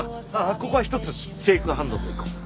ここはひとつシェイクハンドといこう。